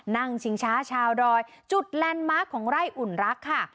ชิงช้าชาวดอยจุดแลนด์มาร์คของไร่อุ่นรักค่ะ